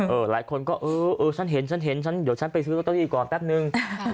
เออหลายคนก็เออชั้นเห็นเดี๋ยวฉันไปซื้อตามีก่อนแปบนึง